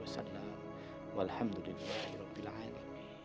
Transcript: allah subhanahu wa ta'ala